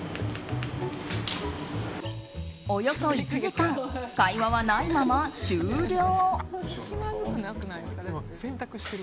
およそ１時間会話はないまま終了。